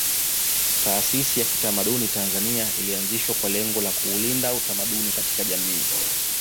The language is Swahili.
Taasisi ya kitamaduni Tanzania ilianzishwa kwa lengo la kuulinda utamaduni katika jamii